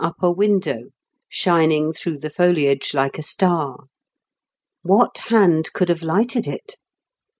237 upper window, shining through the foliage like a star. What hand could have lighted it